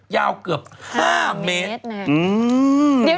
ยาวเกือบ๕เมตร